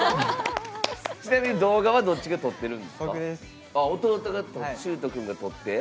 ちなみに動画はどっちが撮ってるの？